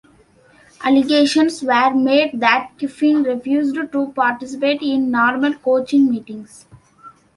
Allegations were made that Kiffin refused to participate in normal coaching meetings.